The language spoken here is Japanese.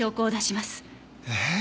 えっ？